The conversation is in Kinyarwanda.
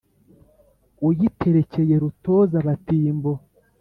Uyiterekeye Rutoza-batimbo